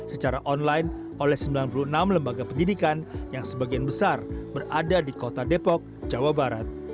secara online oleh sembilan puluh enam lembaga pendidikan yang sebagian besar berada di kota depok jawa barat